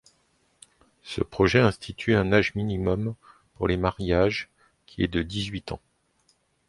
Ce projet institue un âge minimum pour les mariages, qui est de dix-huit ans.